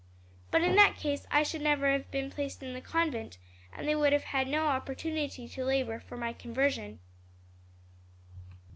"But in that case I should never have been placed in the convent, and they would have had no opportunity to labor for my conversion."